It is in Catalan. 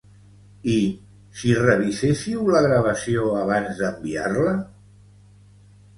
I si revisessiu la gravació abans d'enviar-la?